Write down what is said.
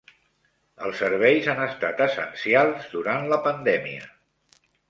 Els serveis han estat essencials durant la pandèmia.